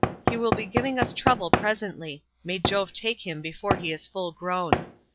He will be giving us trouble presently; may Jove take him before he is full grown.